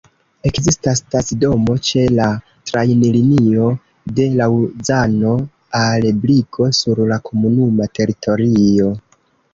Ekzistas stacidomo ĉe la trajnlinio de Laŭzano al Brigo sur la komunuma teritorio.